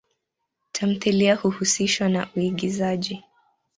Tamthilia huhusishwa na uigizaji.